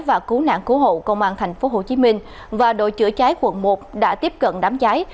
và cứu nạn cứu hậu công an tp hcm và đội chữa trái quận một đã tiếp cận đám trái